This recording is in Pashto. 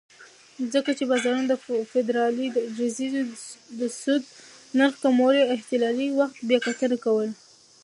ځکه چې بازارونه د فدرالي ریزرو د سود نرخ کمولو احتمالي وخت بیاکتنه کوله.